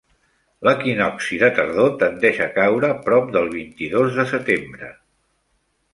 L'equinocci de tardor tendeix a caure prop del vint-i-dos de setembre.